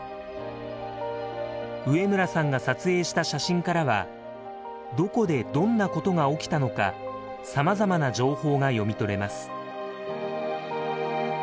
植村さんが撮影した写真からはどこでどんなことが起きたのかさまざまな情報が読み取れます。